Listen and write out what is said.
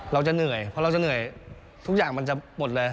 เราจะเหนื่อยเพราะเราจะเหนื่อยทุกอย่างมันจะหมดเลย